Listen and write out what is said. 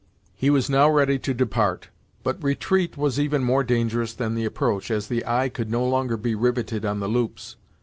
He was now ready to depart, but retreat was even more dangerous than the approach, as the eye could no longer be riveted on the loops.